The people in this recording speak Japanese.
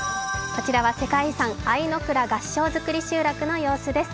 こちらは世界遺産、相倉合掌造り集落です。